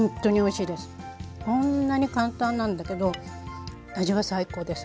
こんなに簡単なんだけど味は最高です。